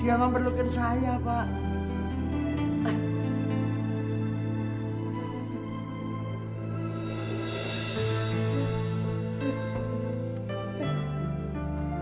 dia memperlukan saya pak